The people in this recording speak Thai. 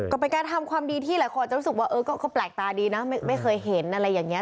ก็เป็นการทำความดีที่หลายคนจะรู้สึกว่าเออก็แปลกตาดีนะไม่เคยเห็นอะไรอย่างนี้